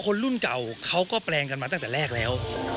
คนรุ่นเก่าเขาก็แปลงกันมาตั้งแต่แรกแล้ว